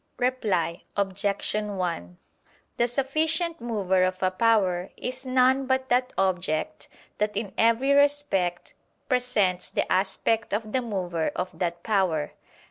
Reply Obj. 1: The sufficient mover of a power is none but that object that in every respect presents the aspect of the mover of that power.